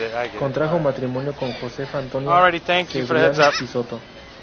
Contrajo matrimonio con Josefa Antonia Cebrián y Soto.